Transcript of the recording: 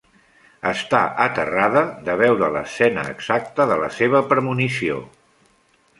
Està aterrada de veure l'escena exacta de la seva "premonició".